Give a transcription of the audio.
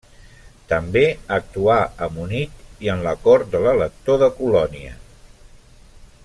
També actuà a Munic i en la cort de l'elector de Colònia.